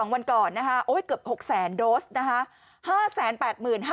๒วันก่อนนะฮะเกือบ๖๐๐๐๐๐โดสต์นะฮะ